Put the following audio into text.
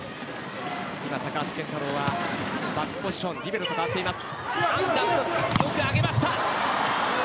高橋健太郎がバックポジションリベロと代わっています。